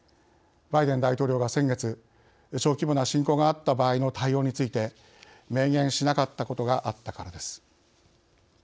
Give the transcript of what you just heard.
バイデン大統領が先月小規模な侵攻があった場合の対応について明言しなかったことがあったからです。